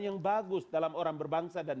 yang bagus dalam orang berbangsa dan